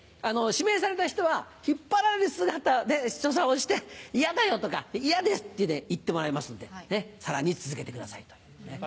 指名された人は引っ張られる姿で所作をして「嫌だよ」とか「嫌です」って言ってもらいますのでさらに続けてくださいというね。